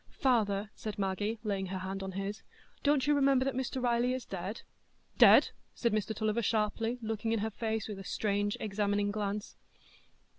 "Father," said Maggie, laying her hand on his, "don't you remember that Mr Riley is dead?" "Dead?" said Mr Tulliver, sharply, looking in her face with a strange, examining glance.